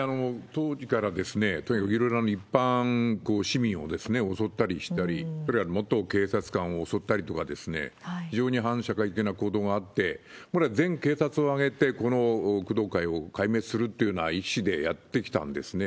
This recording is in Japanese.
当時からとにかくいろいろな一般市民を襲ったりしたり、これは元警察官を襲ったりとか、非常に反社会的な行動があって、これは全警察を挙げて、この工藤会を壊滅するというような意思でやってきたんですね。